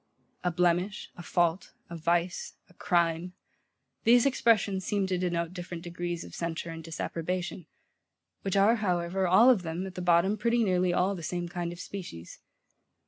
A blemish, a fault, a vice, a crime; these expressions seem to denote different degrees of censure and disapprobation; which are, however, all of them, at the bottom, pretty nearly all the same kind of species.